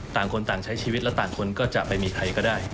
ต่างคนต่างใช้ชีวิตและต่างคนก็จะไปมีใครก็ได้